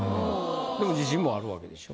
でも自信もあるわけでしょ？